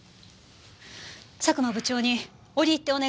佐久間部長に折り入ってお願いがあります。